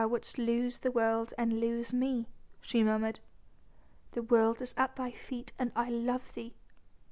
"Wouldst lose the world and lose me?" she murmured. "The world is at thy feet, and I love thee."